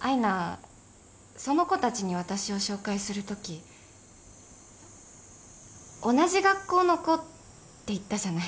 愛奈その子たちに私を紹介するとき「同じ学校の子」って言ったじゃない？